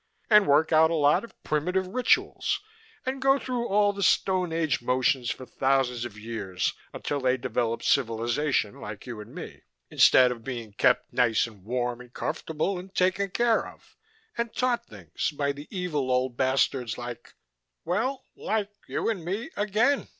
And work out a lot of primitive rituals, and go through all the Stone Age motions for thousands of years until they develop civilization like you and me. Instead of being kept nice and warm and comfortable and taken care of, and taught things, by the evil old bastards like well, like you and me again.